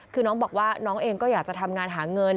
คือน้องบอกว่าน้องเองก็อยากจะทำงานหาเงิน